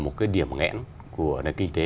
một cái điểm ngẽn của nền kinh tế